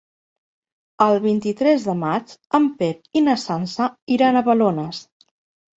El vint-i-tres de maig en Pep i na Sança iran a Balones.